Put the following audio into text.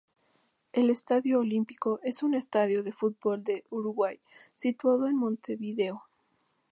El estadio Olímpico es un estadio de fútbol de Uruguay situado en Montevideo.